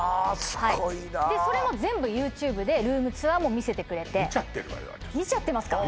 すごいなそれも全部ＹｏｕＴｕｂｅでルームツアーも見せてくれて見ちゃってますか？